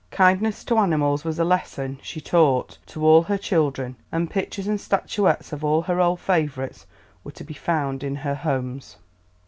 Kindness to animals was a lesson she taught to all her children, and pictures and statuettes of all her old favourites were to be found in her homes.